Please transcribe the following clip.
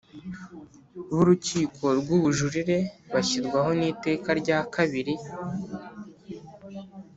b Urukiko rw Ubujurire bashyirwaho n Iteka rya kabiri